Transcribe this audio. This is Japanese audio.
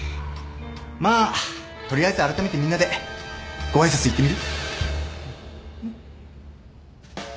まあ取りあえずあらためてみんなでご挨拶行ってみる？